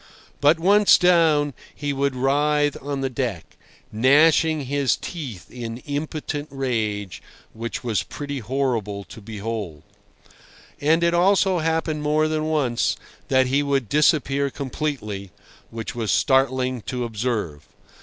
But, once down, he would writhe on the deck, gnashing his teeth in impotent rage—which was pretty horrible to behold. And it also happened more than once that he would disappear completely—which was startling to observe.